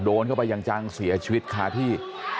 โดนเข้าไปอย่างจังเสียชีวิตคาที่